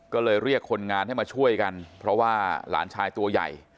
ก็เลยเรียกคนงานให้มาช่วยกันเพราะว่าหลานชายตัวใหญ่